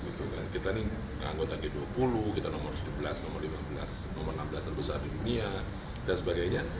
kita ini anggota g dua puluh kita nomor tujuh belas nomor lima belas nomor enam belas terbesar di dunia dan sebagainya